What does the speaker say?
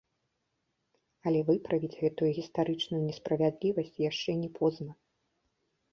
Але выправіць гэтую гістарычную несправядлівасць яшчэ не позна.